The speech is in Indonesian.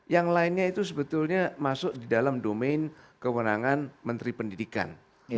yang lainnya itu sebetulnya masuk di dalam domain kewenangan menteri pendidikan